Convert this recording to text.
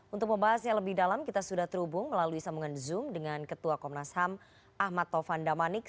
untuk membahasnya lebih dalam kita sudah terhubung melalui sambungan zoom dengan ketua komnas ham ahmad tovan damanik